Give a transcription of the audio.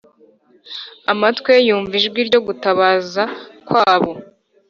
Amatwi ye yumva ijwi ryo gutabaza kwabo